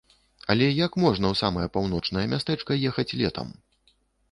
Але як можна ў самае паўночнае мястэчка ехаць летам.?